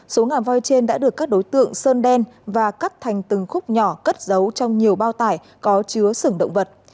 số ngà voi trên đã được các đối tượng sơn đen và cắt thành từng khúc nhỏ cất giấu trong nhiều bao tải có chứa sừng động vật